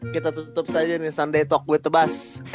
kita tutup saja nih sunday talk with the boss